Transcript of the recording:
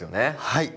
はい。